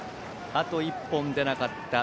あと１本出なかった